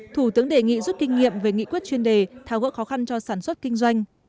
thủ tướng đề nghị rút kinh nghiệm về nghị quyết chuyên đề tháo gỡ khó khăn cho sản xuất kinh doanh